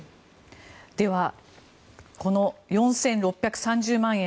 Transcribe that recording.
ではこの４６３０万円